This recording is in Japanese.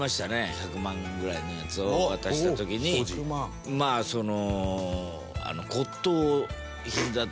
１００万円ぐらいのやつを渡した時にまあその。